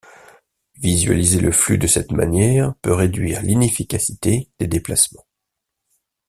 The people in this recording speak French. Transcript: Visualiser le flux de cette manière peut réduire l'inefficacité des déplacements.